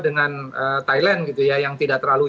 dengan thailand gitu ya yang tidak terlalu